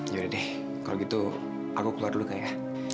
yaudah deh kalau gitu aku keluar dulu kak ya